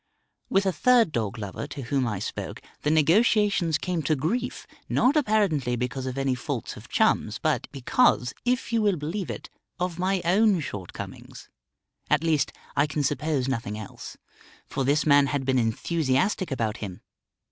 With a third dog lover to whom I spoke the negotiations came to grief, not apparently because of any faults of Chum's but because, if you will believe it, of my own shortcomings. At least, I can suppose nothing else. For this man had been enthusiastic about him.